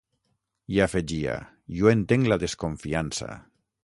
I afegia: Jo entenc la desconfiança.